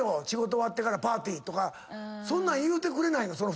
仕事終わってからパーティー」とかそんなん言うてくれないの？